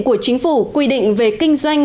của chính phủ quy định về kinh doanh